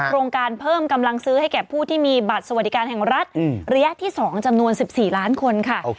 โครงการเพิ่มกำลังซื้อให้แก่ผู้ที่มีบัตรสวัสดิการแห่งรัฐระยะที่๒จำนวน๑๔ล้านคนค่ะ